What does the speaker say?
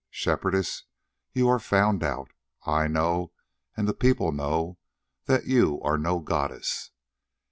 Shepherdess, you are found out; I know, and the people know, that you are no goddess.